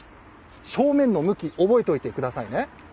正面の向き覚えておいてくださいね。